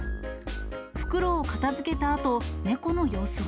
袋を片づけたあと、猫の様子は。